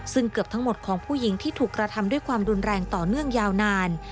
ซึ่งเกือบทั้งหมดของผู้หญิงที่ถูกกระทำด้วยความรุนแรงต่อเนื่องยาวนาน